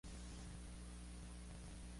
Es abuelo de una nieta y un nieto.